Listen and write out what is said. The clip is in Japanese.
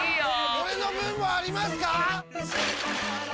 俺の分もありますか！？